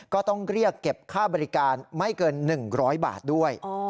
ก็ต้องเรียกเก็บค่าบริการไม่เกิน๑๐๐บาทด้วย